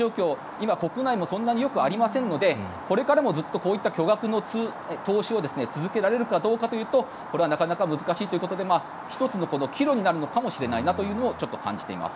今、国内もそんなによくありませんのでこれからもずっとこういった巨額の投資を続けられるかどうかというとこれはなかなか難しいということで１つの岐路になるのかもしれないというのをちょっと感じています。